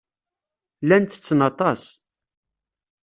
Llan ttetten aṭas.